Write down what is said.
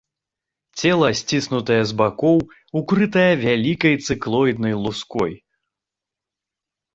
Цела сціснутае з бакоў, укрытае вялікай цыклоіднай луской.